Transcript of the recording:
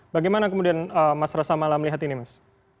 bagaimana kemudian mas rossa molling melihat ini mas